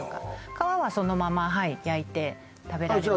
皮はそのままはい焼いて食べられます